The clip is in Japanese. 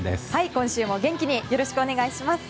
今週も元気によろしくお願いします。